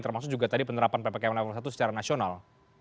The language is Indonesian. termasuk juga tadi penerapan ppkm level satu secara nasional